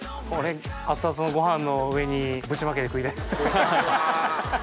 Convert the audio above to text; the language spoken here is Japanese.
熱々のご飯の上にぶちまけて食いたいですね。